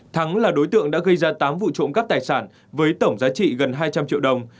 thắng là đối tượng đã gây ra tám vụ trộm cắp tài sản với tổng giá trị gần hai trăm linh triệu đồng